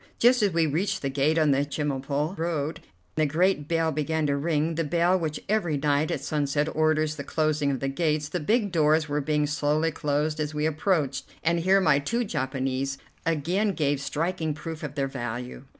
Just as we reached the gate on the Chemulpo road the great bell began to ring, the bell which every night at sunset orders the closing of the gates. The big doors were being slowly closed as we approached, and here my two Japanese again gave striking proof of their value.